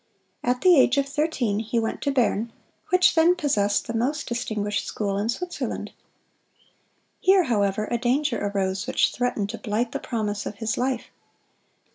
At the age of thirteen he went to Bern, which then possessed the most distinguished school in Switzerland. Here, however, a danger arose which threatened to blight the promise of his life.